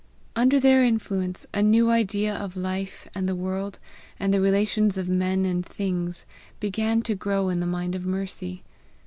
Under their influence a new idea of life, and the world, and the relations of men and things, began to grow in the mind of Mercy.